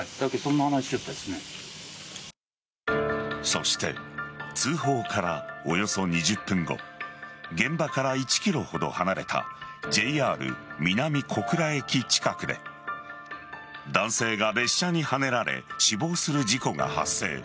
そして通報からおよそ２０分後現場から１ｋｍほど離れたＪＲ南小倉駅近くで男性が列車にはねられ死亡する事故が発生。